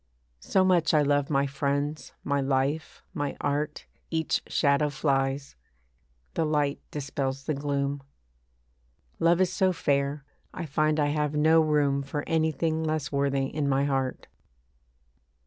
So much I love my friends, my life, my art, Each shadow flies; the light dispels the gloom. Love is so fair, I find I have no room For anything less worthy in my heart.